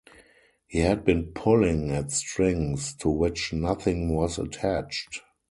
He had been pulling at strings to which nothing was attached.